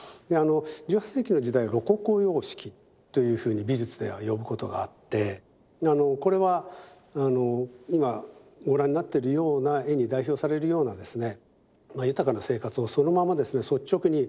１８世紀の時代ロココ様式というふうに美術では呼ぶことがあってこれは今ご覧になってるような絵に代表されるようなですね